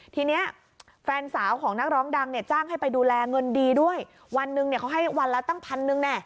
ทีนี้แฟนสาวของนักร้องดังเนี่ยจ้างให้ไปดูแลเงินดีด้วยวันหนึ่งเนี่ยเขาให้วันละตั้งพันหนึ่งแน่